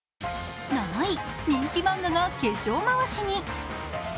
７位、人気漫画が化粧まわしに。